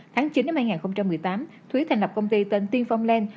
tháng chín năm hai nghìn một mươi tám thúy thành lập công ty tên tiên phong lan